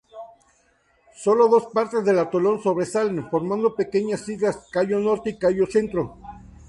Sólo dos partes del atolón sobresalen formando pequeñas islas Cayo Norte y Cayo Centro.